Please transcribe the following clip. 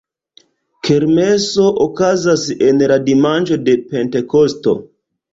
Kermeso okazas en la dimanĉo de Pentekosto.